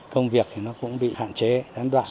công việc thì nó cũng bị hạn chế gián đoạn